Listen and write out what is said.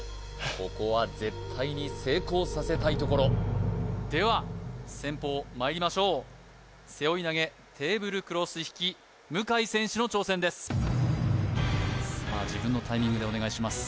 ここは絶対に成功させたいところでは先鋒まいりましょう背負い投げテーブルクロス引き向選手の挑戦ですさあ自分のタイミングでお願いします